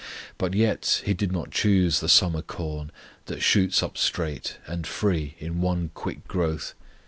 But yet, He did not choose the summer corn, That shoots up straight and free in one quick growth.